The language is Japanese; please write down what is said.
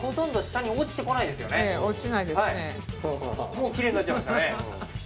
もうきれいになっちゃいましたね。